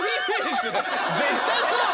絶対そうだよ